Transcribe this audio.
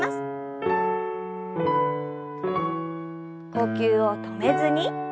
呼吸を止めずに。